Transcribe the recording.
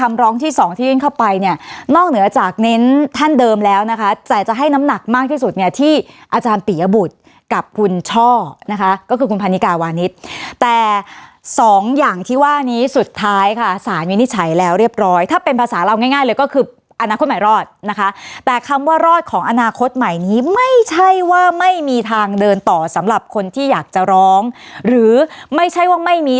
ร้องที่สองที่ยื่นเข้าไปเนี่ยนอกเหนือจากเน้นท่านเดิมแล้วนะคะแต่จะให้น้ำหนักมากที่สุดเนี่ยที่อาจารย์ปียบุตรกับคุณช่อนะคะก็คือคุณพันนิกาวานิสแต่สองอย่างที่ว่านี้สุดท้ายค่ะสารวินิจฉัยแล้วเรียบร้อยถ้าเป็นภาษาเราง่ายเลยก็คืออนาคตใหม่รอดนะคะแต่คำว่ารอดของอนาคตใหม่นี้ไม่ใช่ว่าไม่มีทางเดินต่อสำหรับคนที่อยากจะร้องหรือไม่ใช่ว่าไม่มี